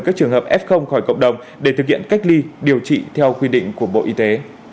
các trường hợp f khỏi cộng đồng để thực hiện cách ly điều trị theo quy định của bộ y tế